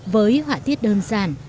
với họa tiết đơn giản